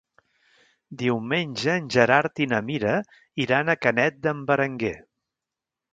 Diumenge en Gerard i na Mira iran a Canet d'en Berenguer.